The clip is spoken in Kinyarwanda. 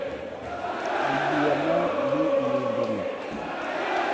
Iyi diyama ni impimbano.